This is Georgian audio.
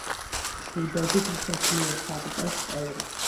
მშვიდობის მსოფლიო საბჭოს წევრი.